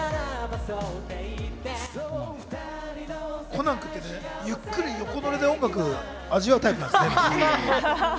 コナン君って、ゆっくり横ノリで音楽を味わうタイプなんですね。